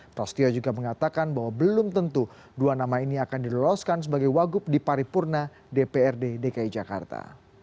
prastio juga mengatakan bahwa belum tentu dua nama ini akan diloloskan sebagai wagup di paripurna dprd dki jakarta